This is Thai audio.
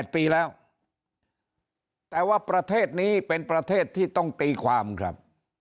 ปีแล้วแต่ว่าประเทศนี้เป็นประเทศที่ต้องตีความครับ